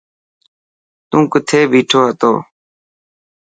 تون ڪٿي بيٺو هتو.